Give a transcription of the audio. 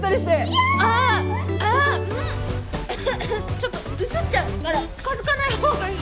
ちょっとうつっちゃうから近づかないほうがいい。